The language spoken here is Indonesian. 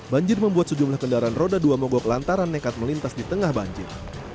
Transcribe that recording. banjir membuat sejumlah kendaraan roda dua mogok lantaran nekat melintas di tengah banjir